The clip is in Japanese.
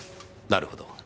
なるほど。